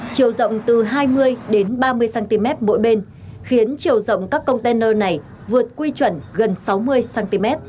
chiều rộng từ hai mươi đến ba mươi cm mỗi bên khiến chiều rộng các container này vượt quy chuẩn gần sáu mươi cm